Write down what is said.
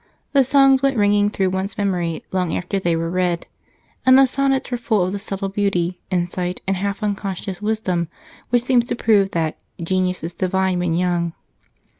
The songs went ringing through one's memory long after they were read, and the sonnets were full of the subtle beauty, insight, and half unconscious wisdom, which seem to prove that "genius is divine when young."